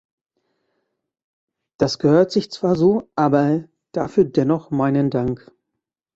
Das gehört sich zwar so, aber dafür dennoch meinen Dank.